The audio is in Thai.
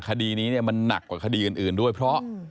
คดีนี้มันหนักกว่าคดีอื่นด้วยเพราะ